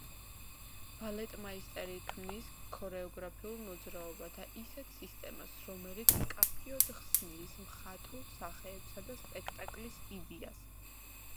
ბალეტმაისტერი ქმნის ქორეოგრაფიულ მოძრაობათა ისეთ სისტემას, რომელიც მკაფიოდ ხსნის მხატვრულ სახეებსა და სპექტაკლის იდეას.